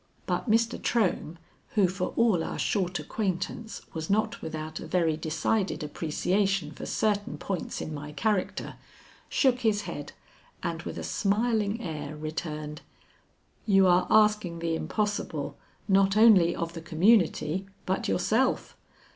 But Mr. Trohm, who for all our short acquaintance was not without a very decided appreciation for certain points in my character, shook his head and with a smiling air returned: "You are asking the impossible not only of the community, but yourself.